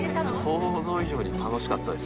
想像以上に楽しかったです。